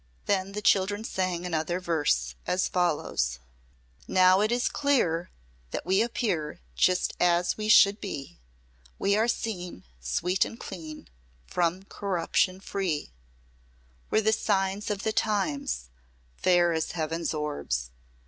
Then the children sang another verse, as follows: "Now it is clear That we appear Just as we should be; We are seen Sweet and clean From corruption free: We're the signs Of the times Fair as heaven's orbs.